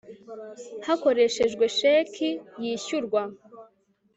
hakoreshejwe sheki yishyurwa